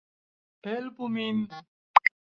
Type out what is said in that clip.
Helpu min!